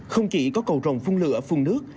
không chỉ có cầu rồng phun lửa phun nước